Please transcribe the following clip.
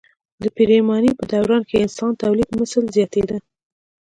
د پریمانۍ په دوران کې د انسان تولیدمثل زیاتېده.